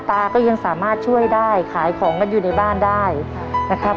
ตาก็ยังสามารถช่วยได้ขายของกันอยู่ในบ้านได้นะครับ